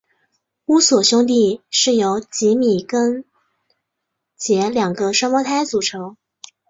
乌索兄弟是由吉米跟杰两个双胞胎组成。